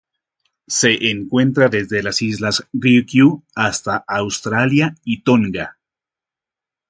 Se encuentra desde las Islas Ryukyu hasta Australia y Tonga.